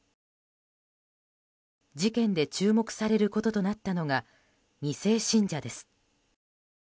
事件で注目されることとなったのが２世信者です。